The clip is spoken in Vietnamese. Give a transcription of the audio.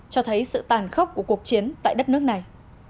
cho thấy sự tàn khốc của cuộc chiến tại đất nước này